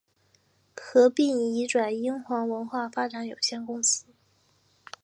合并移转英皇文化发展有限公司。